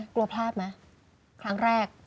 กลัวพลาดไหมครั้งแรก